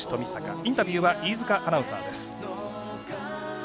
インタビューは飯塚アナウンサーです。